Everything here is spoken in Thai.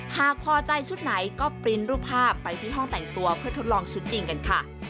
หากพอใจชุดไหนก็ปริ้นรูปภาพไปที่ห้องแต่งตัวเพื่อทดลองชุดจริงกันค่ะ